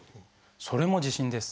それも地震です。